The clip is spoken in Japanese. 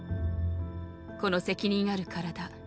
この責任ある体